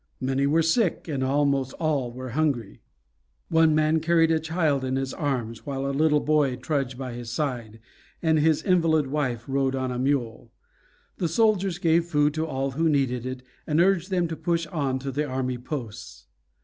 Many were sick, and almost all were hungry. One man carried a child in his arms, while a little boy trudged by his side, and his invalid wife rode on a mule. The soldiers gave food to all who needed it, and urged them to push on to the army posts.